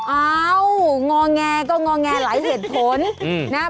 อ้างอแงก็งอแงหลายเหตุผลนะครับ